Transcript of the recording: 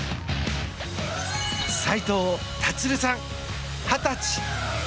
斉藤立さん、二十歳。